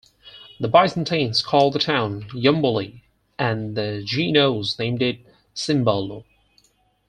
The Byzantines called the town Yamboli and the Genoese named it Cembalo.